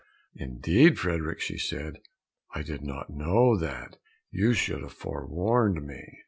"Indeed, Frederick," said she, "I did not know that, you should have forewarned me."